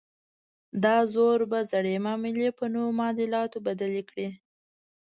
دا زور به زړې معاملې په نویو معادلاتو بدلې کړي.